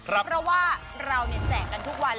เพราะว่าเราแจกกันทุกวัน